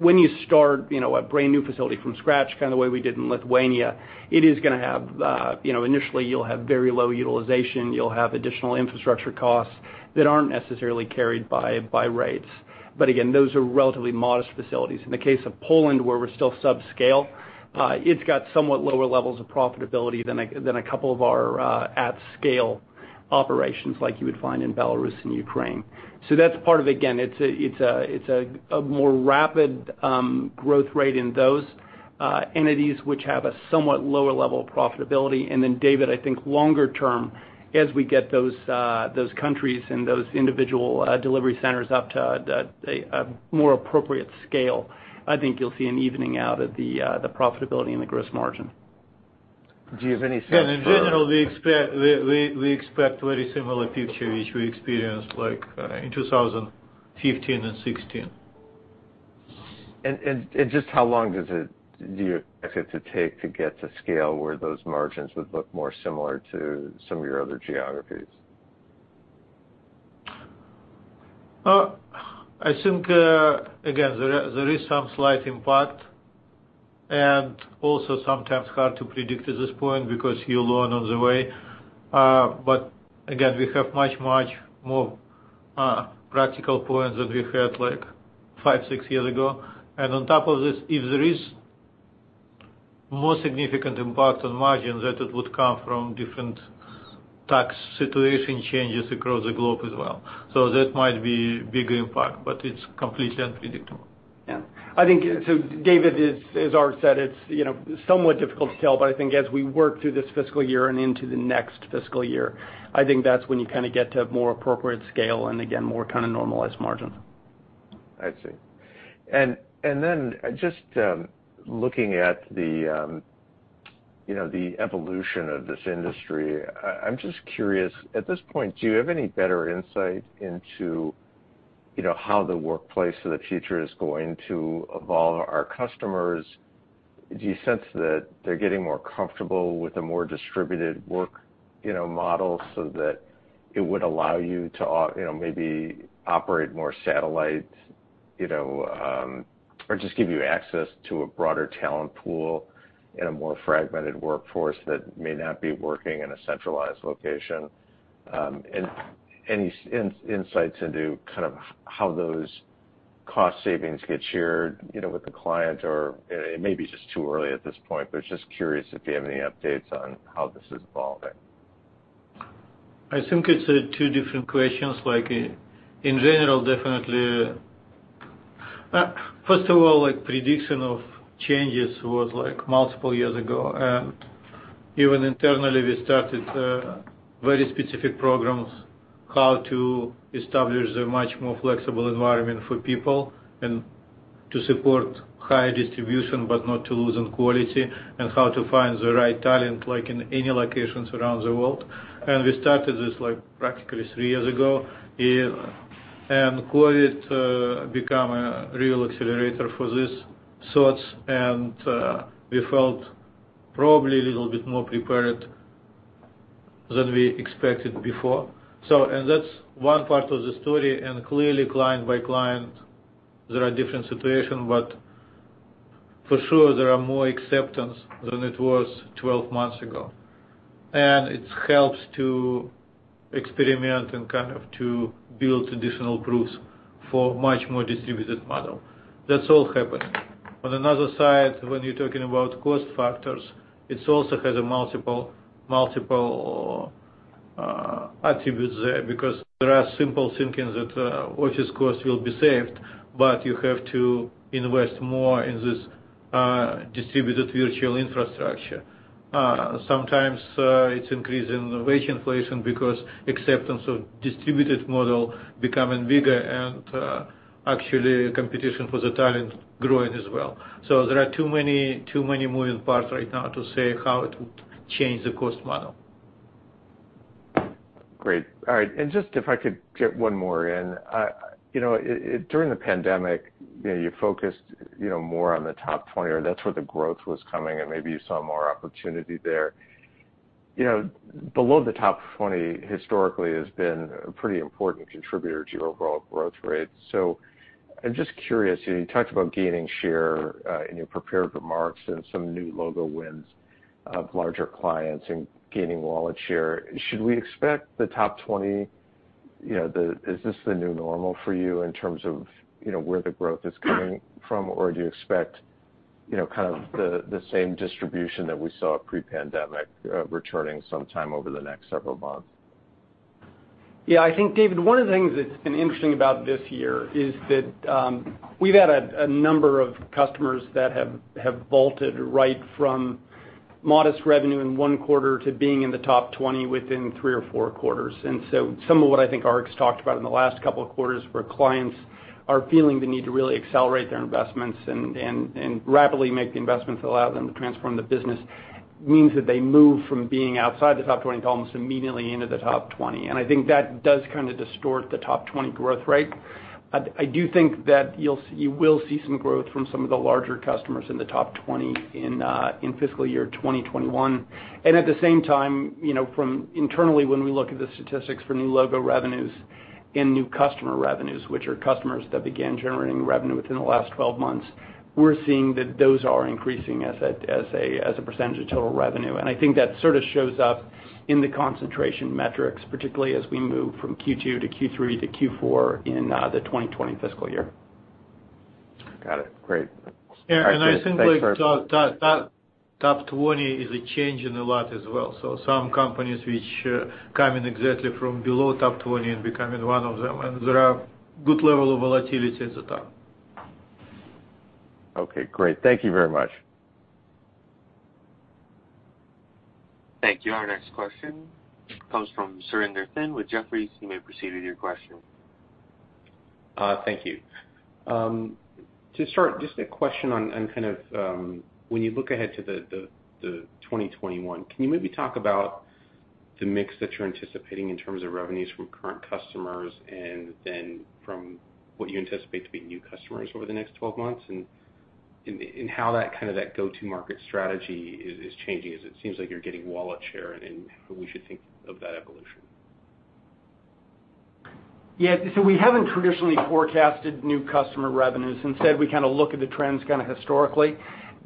when you start a brand-new facility from scratch, kind of the way we did in Lithuania, initially you'll have very low utilization, you'll have additional infrastructure costs that aren't necessarily carried by rates. Again, those are relatively modest facilities. In the case of Poland, where we're still sub-scale, it's got somewhat lower levels of profitability than a couple of our at-scale operations like you would find in Belarus and Ukraine. That's part of, again, it's a more rapid growth rate in those entities which have a somewhat lower level of profitability. David, I think longer term, as we get those countries and those individual delivery centers up to a more appropriate scale, I think you'll see an evening out of the profitability and the gross margin. Do you have any sense for- Yeah, in general, we expect very similar picture which we experienced like in 2015 and 2016. Just how long do you expect it to take to get to scale where those margins would look more similar to some of your other geographies? I think, again, there is some slight impact, and also sometimes hard to predict at this point because you learn on the way. Again, we have much, much more practical points than we had like five, six years ago. On top of this, if there is more significant impact on margin, that it would come from different tax situation changes across the globe as well. That might be bigger impact, but it's completely unpredictable. David, as Ark said, it's somewhat difficult to tell, but I think as we work through this fiscal year and into the next fiscal year, I think that's when you get to more appropriate scale and again, more kind of normalized margin. I see. Just looking at the evolution of this industry, I'm just curious, at this point, do you have any better insight into how the workplace of the future is going to evolve? Our customers, do you sense that they're getting more comfortable with a more distributed work model so that it would allow you to maybe operate more satellites or just give you access to a broader talent pool in a more fragmented workforce that may not be working in a centralized location? Any insights into how those cost savings get shared with the client? It may be just too early at this point, but just curious if you have any updates on how this is evolving. I think it's two different questions. In general, definitely. First of all, prediction of changes was multiple years ago, and even internally, we started very specific programs, how to establish a much more flexible environment for people and to support higher distribution, but not to lose on quality, and how to find the right talent in any locations around the world. We started this practically three years ago. COVID become a real accelerator for this thought, and we felt probably a little bit more prepared than we expected before. That's one part of the story. Clearly, client by client, there are different situation, but for sure, there are more acceptance than it was 12 months ago. It helps to experiment and kind of to build additional proofs for much more distributed model. That's all happened. On another side, when you're talking about cost factors, it also has multiple attributes there, because there are simple thinking that office cost will be saved, but you have to invest more in this distributed virtual infrastructure. Sometimes it's increasing wage inflation because acceptance of distributed model becoming bigger and actually competition for the talent growing as well. There are too many moving parts right now to say how it would change the cost model. Great. All right. Just if I could get one more in. During the pandemic, you focused more on the top 20, or that's where the growth was coming, and maybe you saw more opportunity there. Below the top 20 historically has been a pretty important contributor to your overall growth rate. I'm just curious, you talked about gaining share in your prepared remarks and some new logo wins of larger clients and gaining wallet share. Should we expect the top 20, is this the new normal for you in terms of where the growth is coming from? Or do you expect the same distribution that we saw pre-pandemic returning sometime over the next several months? Yeah, I think, David, one of the things that's been interesting about this year is that we've had a number of customers that have vaulted right from modest revenue in one quarter to being in the top 20 within three or four quarters. Some of what I think Ark's talked about in the last couple of quarters, where clients are feeling the need to really accelerate their investments and rapidly make the investments that allow them to transform the business, means that they move from being outside the top 20 to almost immediately into the top 20. I think that does kind of distort the top 20 growth rate. I do think that you will see some growth from some of the larger customers in the top 20 in fiscal year 2021. At the same time, from internally, when we look at the statistics for new logo revenues and new customer revenues, which are customers that began generating revenue within the last 12 months, we're seeing that those are increasing as a percentage of total revenue. I think that sort of shows up in the concentration metrics, particularly as we move from Q2 to Q3 to Q4 in the 2020 fiscal year. Got it. Great. I think like top 20 is changing a lot as well. Some companies which come in exactly from below top 20 and becoming one of them, and there are good level of volatility at the top. Okay, great. Thank you very much. Thank you. Our next question comes from Surinder Thind with Jefferies. You may proceed with your question. Thank you. To start, just a question on kind of when you look ahead to the 2021, can you maybe talk about the mix that you're anticipating in terms of revenues from current customers, and then from what you anticipate to be new customers over the next 12 months? How that go-to market strategy is changing, as it seems like you're getting wallet share, and how we should think of that evolution. Yeah. We haven't traditionally forecasted new customer revenues. Instead, we kind of look at the trends historically.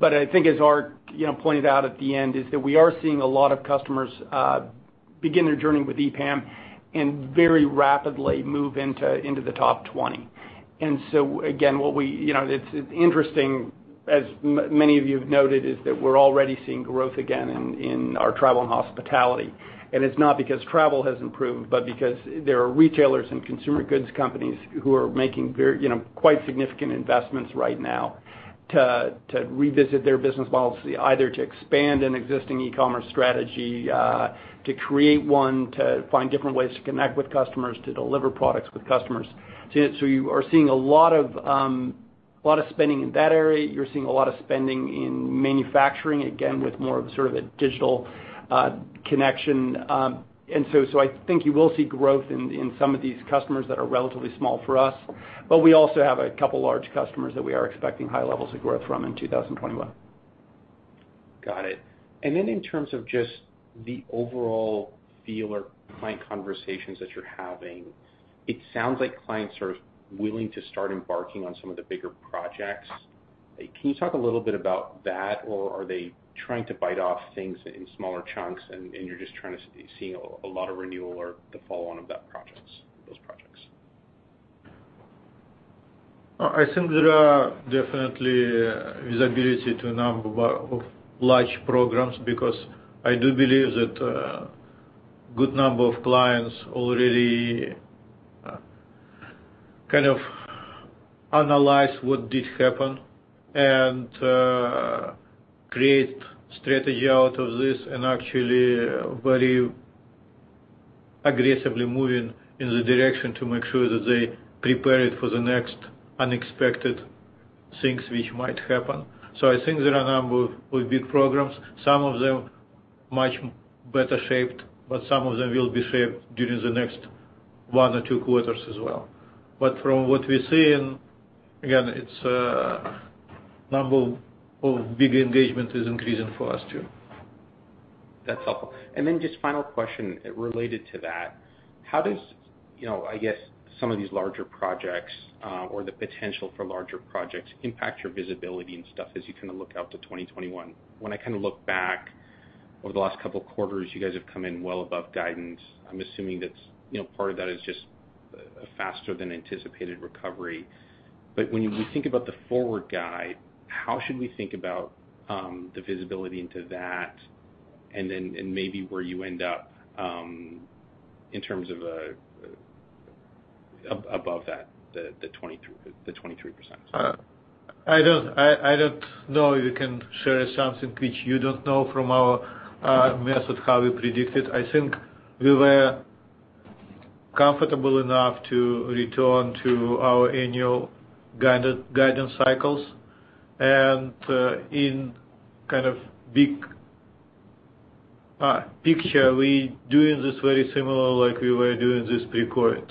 I think as Ark pointed out at the end, is that we are seeing a lot of customers begin their journey with EPAM and very rapidly move into the top 20. Again, it's interesting, as many of you have noted, is that we're already seeing growth again in our travel and hospitality. It's not because travel has improved, but because there are retailers and consumer goods companies who are making quite significant investments right now to revisit their business models, either to expand an existing e-commerce strategy, to create one, to find different ways to connect with customers, to deliver products with customers. You are seeing a lot of spending in that area. You're seeing a lot of spending in manufacturing, again, with more of sort of a digital connection. I think you will see growth in some of these customers that are relatively small for us. We also have a couple large customers that we are expecting high levels of growth from in 2021. Got it. In terms of just the overall feel or client conversations that you're having, it sounds like clients are willing to start embarking on some of the bigger projects. Can you talk a little bit about that? Are they trying to bite off things in smaller chunks, and you're just trying to see a lot of renewal or the follow on of those projects? I think there are definitely visibility to a number of large programs, because I do believe that a good number of clients already kind of analyzed what did happen, and create strategy out of this, and actually very aggressively moving in the direction to make sure that they prepare it for the next unexpected things which might happen. I think there are a number of big programs, some of them much better shaped, but some of them will be shaped during the next one or two quarters as well. From what we see, and again, it's a number of big engagement is increasing for us, too. That's helpful. Just final question related to that. I guess some of these larger projects, or the potential for larger projects impact your visibility and stuff as you look out to 2021. When I look back over the last couple of quarters, you guys have come in well above guidance. I'm assuming part of that is just a faster than anticipated recovery. When we think about the forward guide, how should we think about the visibility into that and then maybe where you end up in terms of above that, the 23%? I don't know if you can share something which you don't know from our method how we predict it. I think we were comfortable enough to return to our annual guidance cycles. In big picture, we doing this very similar like we were doing this pre-COVID.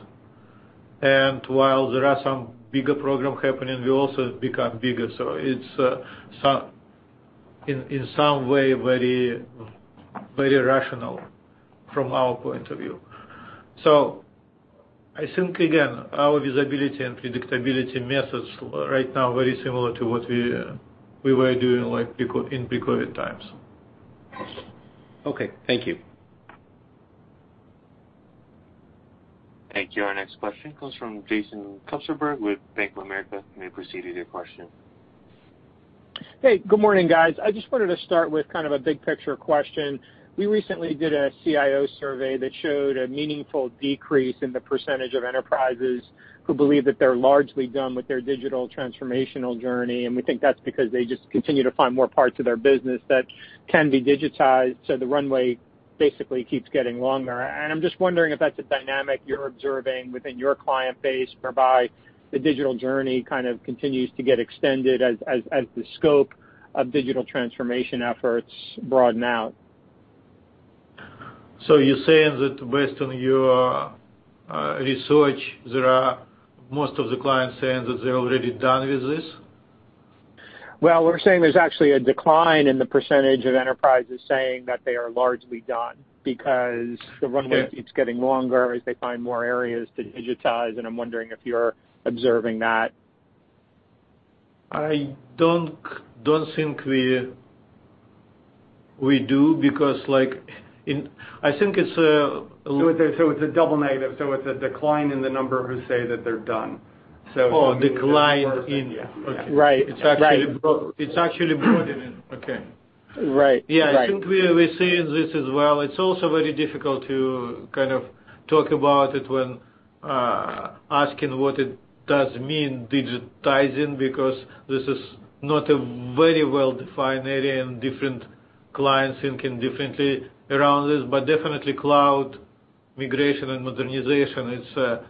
While there are some bigger program happening, we also become bigger. It's, in some way, very rational from our point of view. I think, again, our visibility and predictability methods right now very similar to what we were doing in pre-COVID times. Okay. Thank you. Thank you. Our next question comes from Jason Kupferberg with Bank of America. You may proceed with your question. Hey, good morning, guys. I just wanted to start with a big picture question. We recently did a CIO survey that showed a meaningful decrease in the percentage of enterprises who believe that they're largely done with their digital transformational journey. We think that's because they just continue to find more parts of their business that can be digitized. The runway basically keeps getting longer. I'm just wondering if that's a dynamic you're observing within your client base, whereby the digital journey continues to get extended as the scope of digital transformation efforts broaden out. You're saying that based on your research, most of the clients saying that they're already done with this? we're saying there's actually a decline in the percentage of enterprises saying that they are largely done because the runway. Yeah keeps getting longer as they find more areas to digitize, and I'm wondering if you're observing that. I don't think we do because I think it's. It's a double negative. It's a decline in the number who say that they're done. Oh, decline in-. Yeah. Okay. Right. It's actually broadening. Okay. Right. Yeah, I think we're seeing this as well. It's also very difficult to talk about it when asking what it does mean, digitizing, because this is not a very well-defined area, and different clients thinking differently around this. Definitely cloud migration and modernization, it's a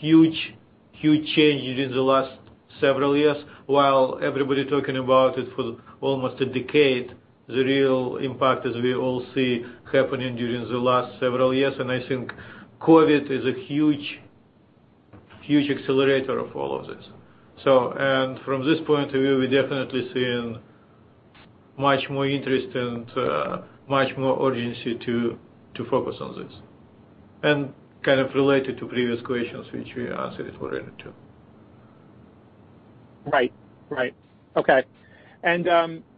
huge change during the last several years. While everybody talking about it for almost a decade, the real impact is we all see happening during the last several years, and I think COVID is a huge accelerator of all of this. And from this point of view, we're definitely seeing much more interest and much more urgency to focus on this. Kind of related to previous questions, which we answered it already, too. Right. Okay.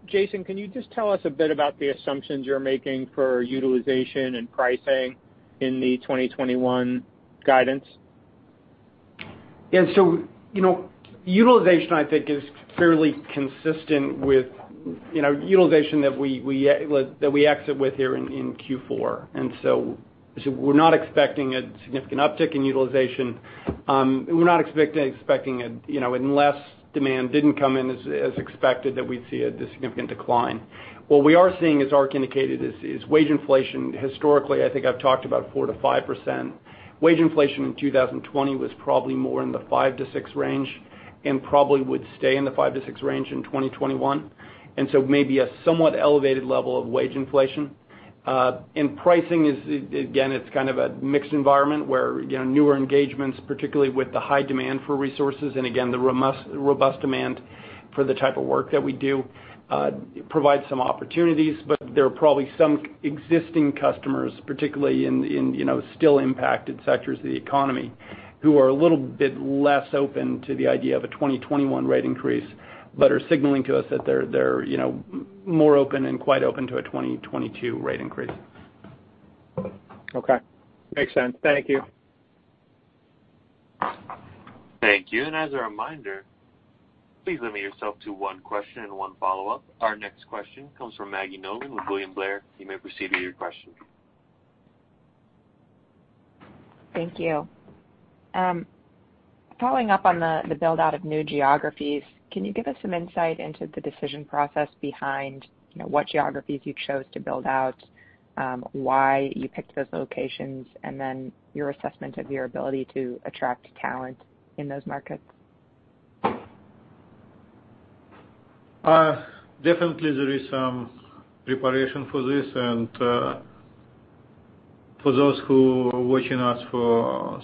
Jason, can you just tell us a bit about the assumptions you're making for utilization and pricing in the 2021 guidance? Yeah. Utilization, I think, is fairly consistent with utilization that we exit with here in Q4. We're not expecting a significant uptick in utilization, unless demand didn't come in as expected, that we'd see a significant decline. What we are seeing, as Ark indicated, is wage inflation. Historically, I think I've talked about 4%-5%. Wage inflation in 2020 was probably more in the 5%-6% range, and probably would stay in the 5%-6% range in 2021, and so maybe a somewhat elevated level of wage inflation. Pricing is, again, it's kind of a mixed environment where newer engagements, particularly with the high demand for resources, and again, the robust demand for the type of work that we do, provide some opportunities. There are probably some existing customers, particularly in still impacted sectors of the economy, who are a little bit less open to the idea of a 2021 rate increase, but are signaling to us that they're more open and quite open to a 2022 rate increase. Okay. Makes sense. Thank you. Thank you. As a reminder, please limit yourself to one question and one follow-up. Our next question comes from Maggie Nolan with William Blair. You may proceed with your question. Thank you. Following up on the build-out of new geographies, can you give us some insight into the decision process behind what geographies you chose to build out, why you picked those locations, and then your assessment of your ability to attract talent in those markets? Definitely, there is some preparation for this. For those who are watching us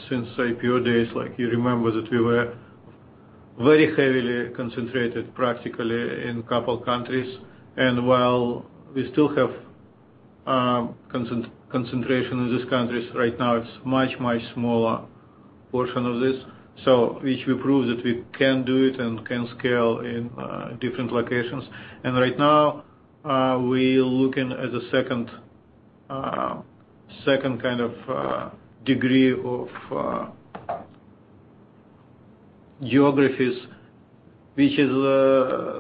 since IPO days, you remember that we were very heavily concentrated practically in a couple countries. While we still have concentration in these countries, right now it's much, much smaller portion of this. Which we prove that we can do it and can scale in different locations. Right now, we're looking at the second degree of geographies, which is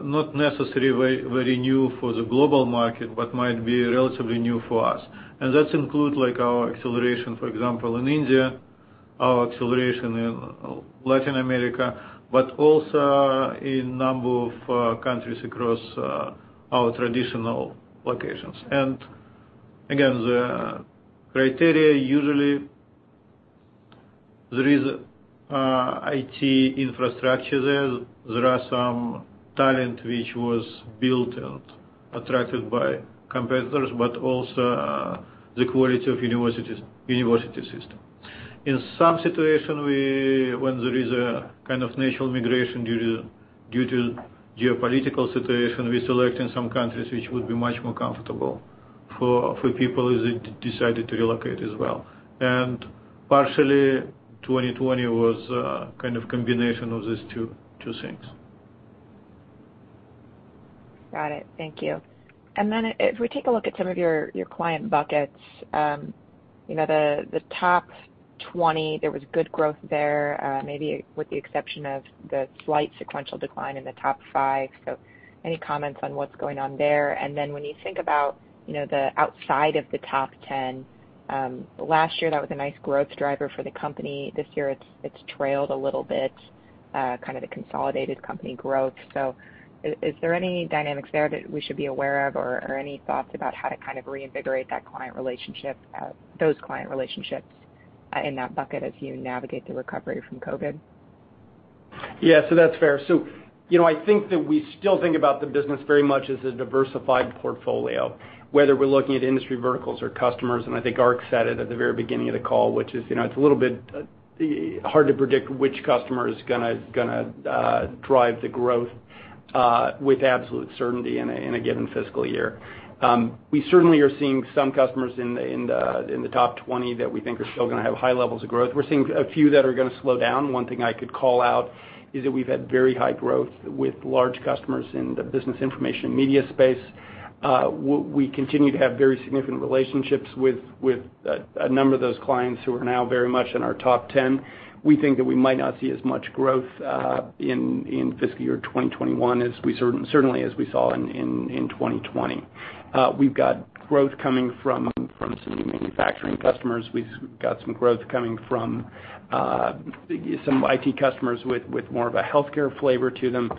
not necessarily very new for the global market, but might be relatively new for us. That includes our acceleration, for example, in India, our acceleration in Latin America, but also in number of countries across our traditional locations. Again, the criteria, usually there is IT infrastructure there. There are some talent which was built and attracted by competitors, but also the quality of university system. In some situation, when there is a kind of natural immigration due to geopolitical situation, we select in some countries which would be much more comfortable for people as they decided to relocate as well. Partially, 2020 was a kind of combination of these two things. Got it. Thank you. If we take a look at some of your client buckets, the top 20, there was good growth there, maybe with the exception of the slight sequential decline in the top five. Any comments on what's going on there? When you think about the outside of the top 10, last year, that was a nice growth driver for the company. This year, it's trailed a little bit, kind of the consolidated company growth. Is there any dynamics there that we should be aware of or any thoughts about how to kind of reinvigorate those client relationships in that bucket as you navigate the recovery from COVID? Yeah. That's fair. I think that we still think about the business very much as a diversified portfolio, whether we're looking at industry verticals or customers, and I think Ark said it at the very beginning of the call, which is it's a little bit hard to predict which customer is going to drive the growth with absolute certainty in a given fiscal year. We certainly are seeing some customers in the top 20 that we think are still going to have high levels of growth. We're seeing a few that are going to slow down. One thing I could call out is that we've had very high growth with large customers in the business information media space. We continue to have very significant relationships with a number of those clients who are now very much in our top 10. We think that we might not see as much growth in fiscal year 2021, certainly as we saw in 2020. We've got growth coming from some new manufacturing customers. We've got some growth coming from some IT customers with more of a healthcare flavor to them.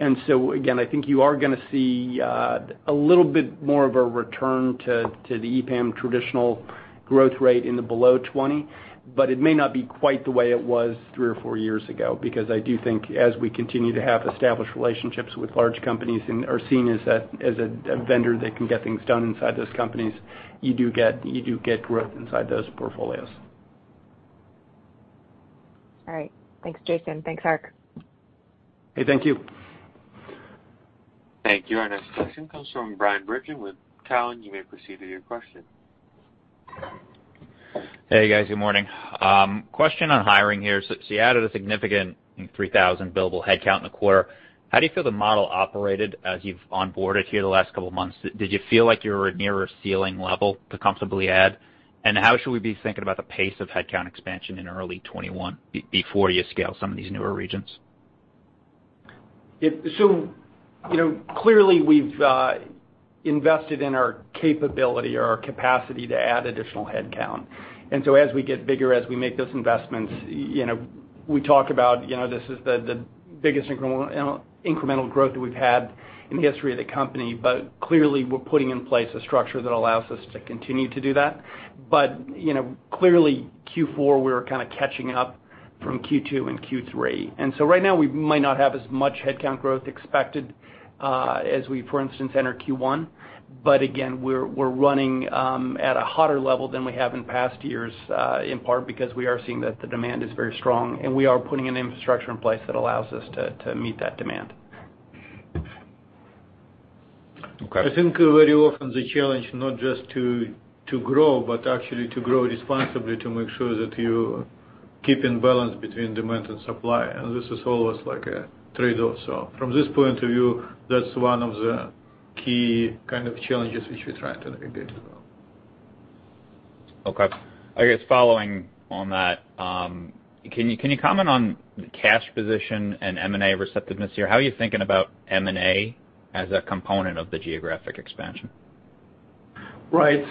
Again, I think you are going to see a little bit more of a return to the EPAM traditional growth rate in the below 20%. It may not be quite the way it was three or four years ago, because I do think as we continue to have established relationships with large companies and are seen as a vendor that can get things done inside those companies, you do get growth inside those portfolios. All right. Thanks, Jason. Thanks, Ark. Hey, thank you. Thank you. Our next question comes from Bryan Bergin with Cowen. You may proceed with your question. Hey, guys. Good morning. Question on hiring here. You added a significant 3,000 billable headcount in the quarter. How do you feel the model operated as you've onboarded here the last couple of months? Did you feel like you were near a ceiling level to comfortably add? How should we be thinking about the pace of headcount expansion in early 2021, before you scale some of these newer regions? Clearly, we've invested in our capability or our capacity to add additional headcount. As we get bigger, as we make those investments, we talk about this is the biggest incremental growth that we've had in the history of the company. Clearly, we're putting in place a structure that allows us to continue to do that. Clearly, Q4, we were kind of catching up from Q2 and Q3. Right now, we might not have as much headcount growth expected as we, for instance, enter Q1. Again, we're running at a hotter level than we have in past years, in part because we are seeing that the demand is very strong, and we are putting an infrastructure in place that allows us to meet that demand. Okay. I think very often the challenge not just to grow, but actually to grow responsibly, to make sure that you keep in balance between demand and supply. This is always like a trade-off. From this point of view, that's one of the key kind of challenges which we try to navigate as well. Okay. I guess following on that, can you comment on the cash position and M&A receptiveness here? How are you thinking about M&A as a component of the geographic expansion? Right.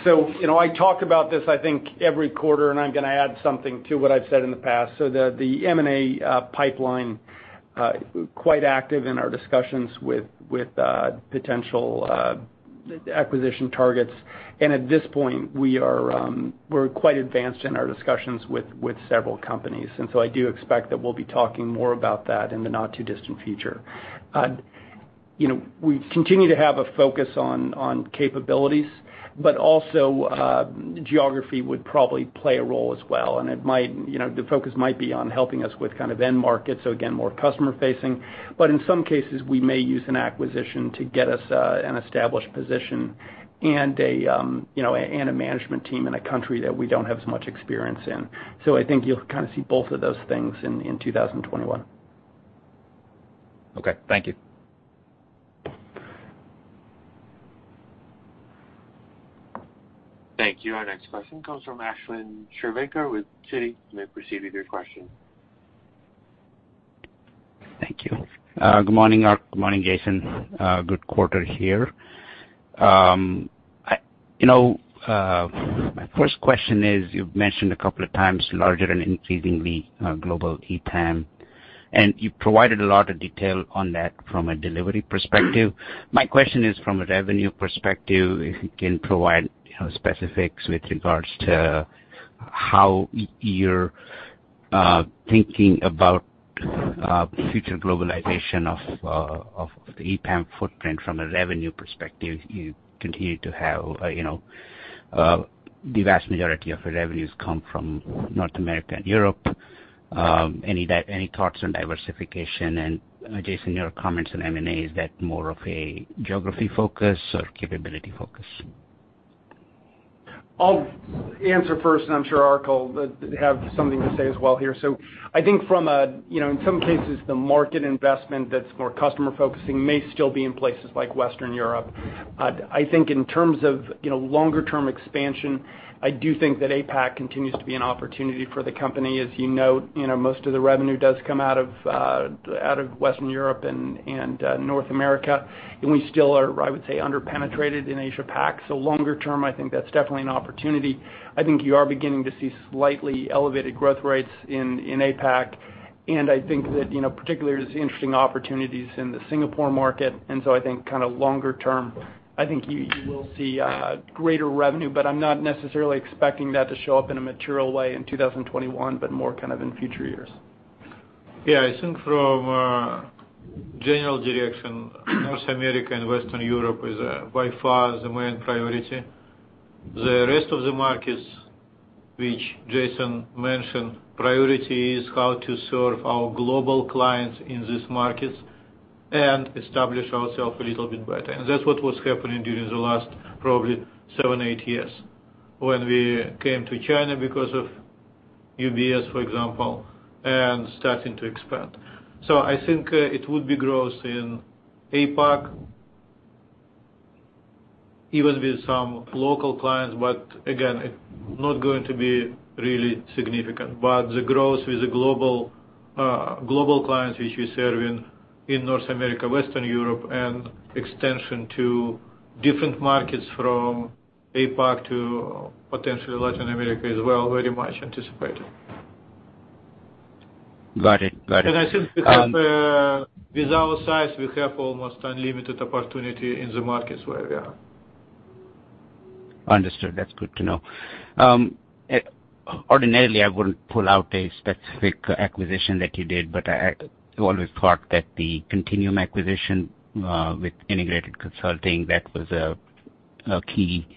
I talk about this, I think, every quarter, and I'm going to add something to what I've said in the past. The M&A pipeline, quite active in our discussions with potential acquisition targets. At this point, we're quite advanced in our discussions with several companies. I do expect that we'll be talking more about that in the not too distant future. We continue to have a focus on capabilities, but also geography would probably play a role as well, and the focus might be on helping us with end markets, so again, more customer facing. In some cases, we may use an acquisition to get us an established position and a management team in a country that we don't have as much experience in. I think you'll see both of those things in 2021. Okay. Thank you. Thank you. Our next question comes from Ashwin Shirvaikar with Citi. You may proceed with your question. Thank you. Good morning, Ark. Good morning, Jason. Good quarter here. My first question is, you've mentioned a couple of times larger and increasingly global EPAM, and you've provided a lot of detail on that from a delivery perspective. My question is from a revenue perspective, if you can provide specifics with regards to how you're thinking about future globalization of the EPAM footprint from a revenue perspective. You continue to have the vast majority of your revenues come from North America and Europe. Any thoughts on diversification? Jason, your comments on M&A, is that more of a geography focus or capability focus? I'll answer first, and I'm sure Ark will have something to say as well here. I think in some cases, the market investment that's more customer focusing may still be in places like Western Europe. I think in terms of longer term expansion, I do think that APAC continues to be an opportunity for the company. As you note, most of the revenue does come out of Western Europe and North America, and we still are, I would say, under-penetrated in Asia-Pac. Longer term, I think that's definitely an opportunity. I think you are beginning to see slightly elevated growth rates in APAC, I think that particularly there's interesting opportunities in the Singapore market, I think longer term, I think you will see greater revenue. I'm not necessarily expecting that to show up in a material way in 2021, but more in future years. Yeah, I think from a general direction, North America and Western Europe is by far the main priority. The rest of the markets, which Jason mentioned, priority is how to serve our global clients in these markets and establish ourselves a little bit better. That's what was happening during the last probably seven, eight years, when we came to China because of UBS, for example, and starting to expand. I think it would be growth in APAC, even with some local clients, but again, it not going to be really significant. The growth with the global clients, which we serve in North America, Western Europe, and extension to different markets from APAC to potentially Latin America as well, very much anticipated. Got it. I think because with our size, we have almost unlimited opportunity in the markets where we are. Understood. That's good to know. Ordinarily, I wouldn't pull out a specific acquisition that you did, but I always thought that the Continuum acquisition with integrated consulting, that was a key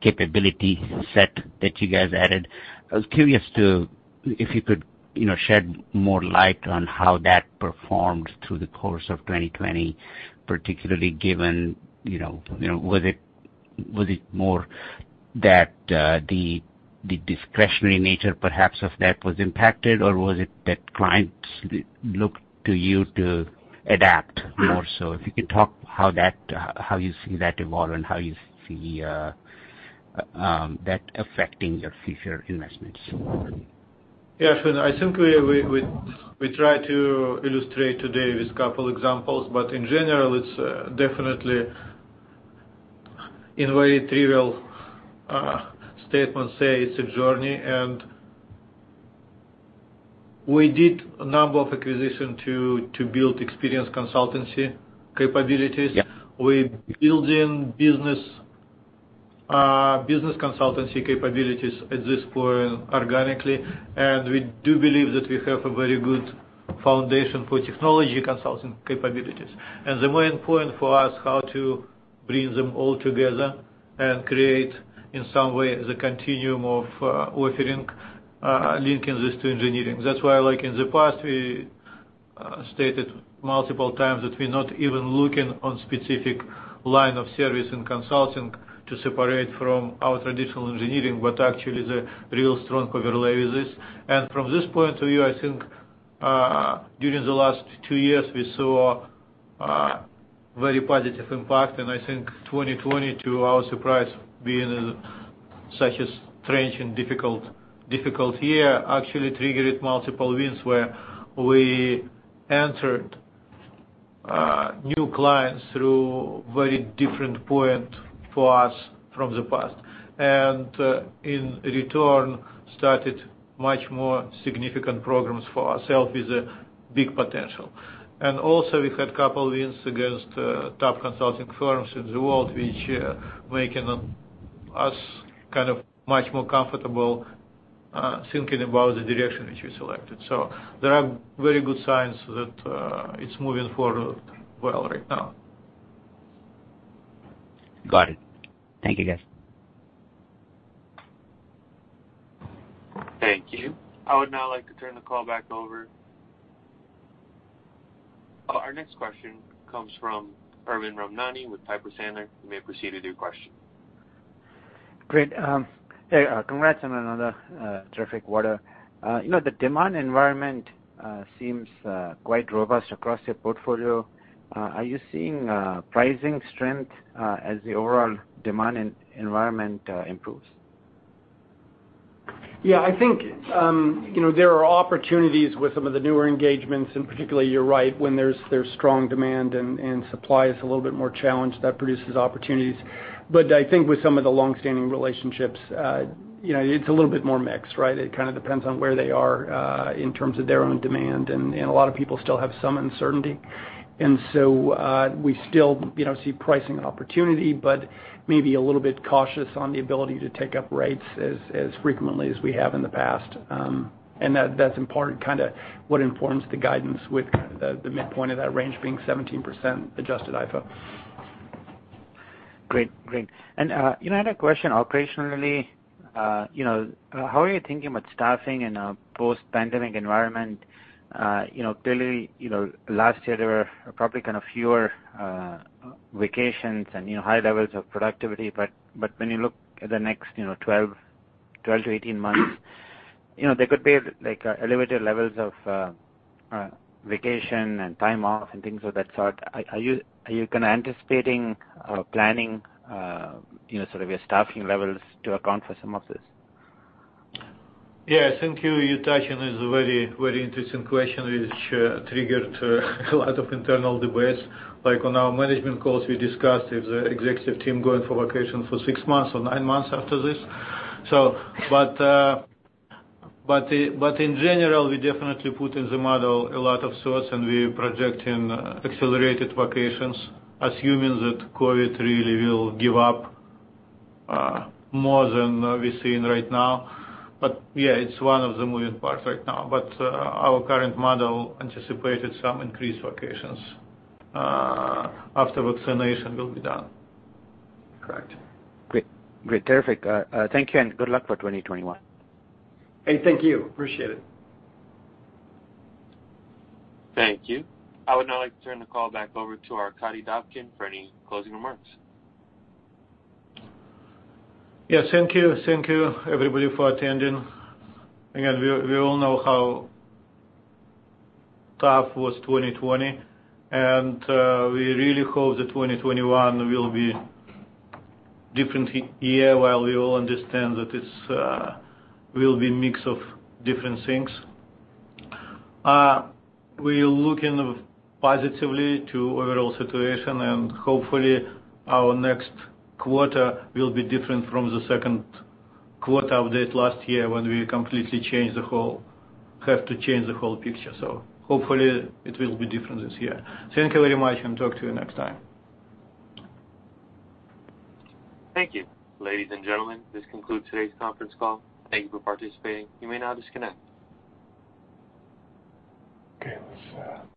capability set that you guys added. I was curious if you could shed more light on how that performed through the course of 2020, particularly given, was it more that the discretionary nature perhaps of that was impacted, or was it that clients looked to you to adapt more so? If you could talk how you see that evolving, how you see that affecting your future investments. Yeah. I think we try to illustrate today with couple examples, but in general, it's definitely in very trivial statement, say it's a journey, and we did a number of acquisition to build experience consultancy capabilities. Yeah. We're building business consultancy capabilities at this point organically, we do believe that we have a very good foundation for technology consulting capabilities. The main point for us, how to bring them all together and create, in some way, the continuum of offering, linking this to engineering. That's why, like in the past, we stated multiple times that we're not even looking on specific line of service in consulting to separate from our traditional engineering, but actually the real strong overlay with this. From this point of view, I think, during the last two years, we saw very positive impact, I think 2022, our surprise being such a strange and difficult year actually triggered multiple wins where we entered new clients through very different point for us from the past. In return, started much more significant programs for ourself with a big potential. Also we had couple wins against top consulting firms in the world, which making us much more comfortable thinking about the direction which we selected. There are very good signs that it's moving forward well right now. Got it. Thank you, guys. Thank you. I would now like to turn the call back over. Our next question comes from Arvind Ramnani with Piper Sandler. You may proceed with your question. Great. Hey, congrats on another terrific quarter. The demand environment seems quite robust across your portfolio. Are you seeing pricing strength as the overall demand environment improves? Yeah, I think there are opportunities with some of the newer engagements, and particularly, you're right, when there's strong demand and supply is a little bit more challenged, that produces opportunities. I think with some of the longstanding relationships, it's a little bit more mixed, right? It kind of depends on where they are in terms of their own demand, and a lot of people still have some uncertainty. So we still see pricing opportunity, but maybe a little bit cautious on the ability to take up rates as frequently as we have in the past. That's in part what informs the guidance with the midpoint of that range being 17% adjusted IFO. Great. I had a question operationally. How are you thinking about staffing in a post-pandemic environment? Clearly, last year there were probably kind of fewer vacations and high levels of productivity, but when you look at the next 12-18 months, there could be elevated levels of vacation and time off and things of that sort. Are you kind of anticipating or planning your staffing levels to account for some of this? Yeah, I think you're touching on a very interesting question which triggered a lot of internal debates. Like on our management calls, we discussed if the executive team going for vacation for six months or nine months after this. In general, we definitely put in the model a lot of thoughts, and we are projecting accelerated vacations, assuming that COVID really will give up more than we're seeing right now. Yeah, it's one of the moving parts right now. Our current model anticipated some increased vacations after vaccination will be done. Correct. Great. Terrific. Thank you, and good luck for 2021. Hey, thank you. Appreciate it. Thank you. I would now like to turn the call back over to Arkadiy Dobkin for any closing remarks. Yes, thank you. Thank you, everybody, for attending. We all know how tough was 2020, and we really hope that 2021 will be different year, while we all understand that it will be mix of different things. We're looking positively to overall situation, and hopefully our next quarter will be different from the second quarter update last year when we completely have to change the whole picture. Hopefully it will be different this year. Thank you very much, and talk to you next time. Thank you. Ladies and gentlemen, this concludes today's conference call. Thank you for participating. You may now disconnect. Okay, let's